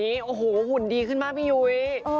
แต่ต้องบอกแบบนี้หุ่นดีขึ้นมากพี่ยุ้ย